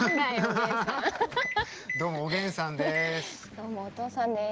どうもおげんさんです。